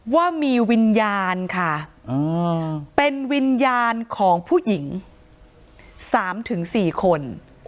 ว่ามีวิญญาณค่ะเป็นวิญญาณของผู้หญิง๓๔คน